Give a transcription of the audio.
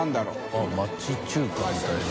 あっ町中華みたいな。